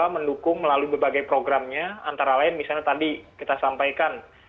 mendukung melalui berbagai programnya antara lain misalnya tadi kita sampaikan